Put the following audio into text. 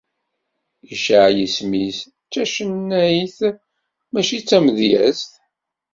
Icaε yisem-is d tacennayt, mačči d tamedyazt.